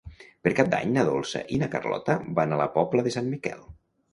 Per Cap d'Any na Dolça i na Carlota van a la Pobla de Sant Miquel.